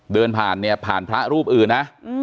เดินผ่านเนี่ยผ่านพระรูปอื่นนะ